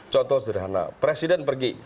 contoh sederhana presiden pergi